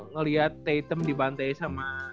ngeliat tatum di bantai sama